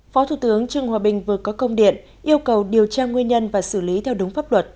phó thủ tướng trương hòa bình vừa có công điện yêu cầu điều tra nguyên nhân và xử lý theo đúng pháp luật